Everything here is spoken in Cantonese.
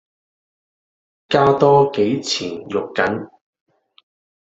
加多幾錢肉緊